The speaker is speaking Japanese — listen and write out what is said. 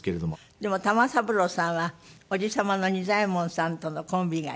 でも玉三郎さんは叔父様の仁左衛門さんとのコンビが有名。